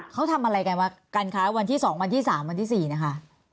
เขาทำอะไรกันค่ะวันที่สองวันที่สามวันที่สี่นะคะ